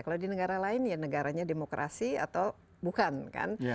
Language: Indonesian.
kalau di negara lain ya negaranya demokrasi atau bukan kan